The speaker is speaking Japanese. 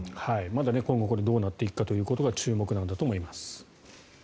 まだ今後、これがどうなっていくかということが注目なんだと思います。